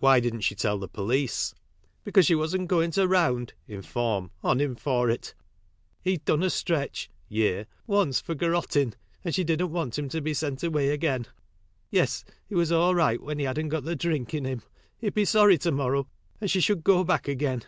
Why didn't she tell the police? Because she wasn't goin' to round (inform) on him for it. He'd done a stretch (year) once for garottin', and she didn't want him to be sent away again. Yes, he was all right when he hadn't got the drink in him. He'd be sorry to morrow and she should go back again."